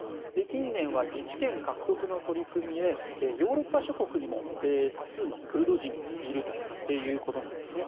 近年は自治権獲得の取り組みへヨーロッパ諸国にも多数のクルド人がいるということなんですね。